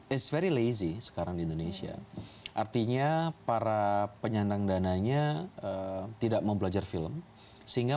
is very lazy sekarang di indonesia artinya para penyandang dananya tidak mau belajar film sehingga